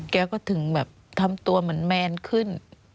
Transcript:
เขาก็ถึงทำตัวเหมือนแมนขึ้น